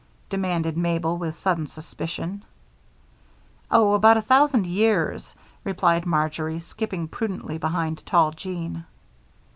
demanded Mabel, with sudden suspicion. "Oh, about a thousand years," replied Marjory, skipping prudently behind tall Jean.